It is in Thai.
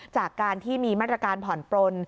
จากการที่มีมาตรการผ่อนปลน